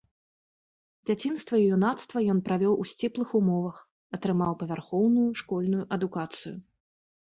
Дзяцінства і юнацтва ён правёў у сціплых умовах, атрымаў павярхоўную школьную адукацыю.